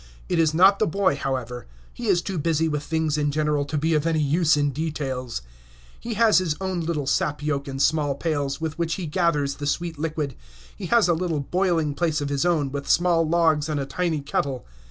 It is not the boy, however; he is too busy with things in general to be of any use in details. He has his own little sap yoke and small pails, with which he gathers the sweet liquid. He has a little boiling place of his own, with small logs and a tiny kettle.